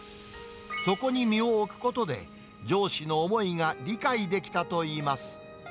そこに身を置くことで、上司の思いが理解できたといいます。